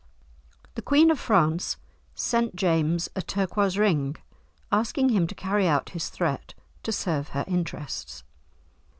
The Queen of France sent James a turquoise ring, asking him to carry out his threat to serve her interests.